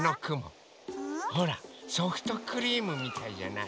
ほらソフトクリームみたいじゃない？